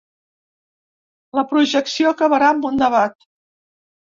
La projecció acabarà amb un debat.